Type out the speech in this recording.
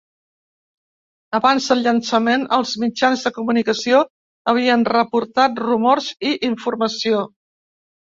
Abans del llançament, els mitjans de comunicació havien reportat rumors i informació.